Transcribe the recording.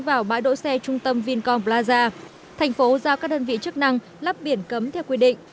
vào bãi đỗ xe trung tâm vincom plaza thành phố giao các đơn vị chức năng lắp biển cấm theo quy định